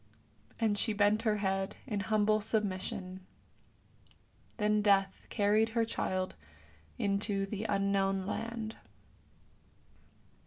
" And she bent her head in humble submission. Then Death carried her child into the Unknown Land.